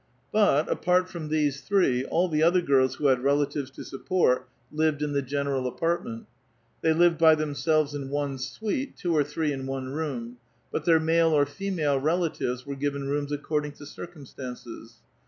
But, apart from these three, all the other girls who had relatives to sup port lived in the general apartment. They lived by them selves in one suite, two or three in one room ; but their male or female relatives were given rooms according to circum stances.